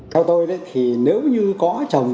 theo tôi thì nếu như có trồng